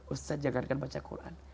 ustadz jangankan baca quran